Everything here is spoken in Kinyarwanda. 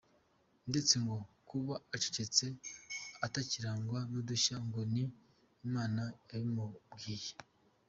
Ndetse ngo kuba acecetse atakirangwa n’udushya ngo ni Imana yabimubwiye.